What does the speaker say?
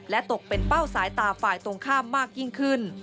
ตกเป็นเป้าสายตาฝ่ายตรงข้ามมากยิ่งขึ้น